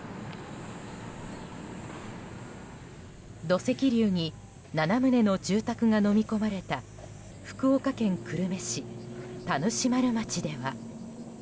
土石流に７棟の住宅がのみ込まれた福岡県久留米市田主丸町では。